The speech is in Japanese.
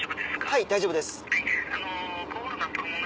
はい大丈夫です。